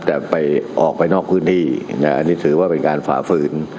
แต่ไปออกไปนอกพื้นที่นะอันนี้ถือว่าเป็นการฝ่าฝืน